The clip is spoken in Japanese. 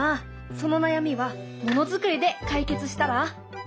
その悩みはものづくりで解決したら？